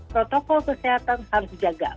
protokol kesehatan harus dijaga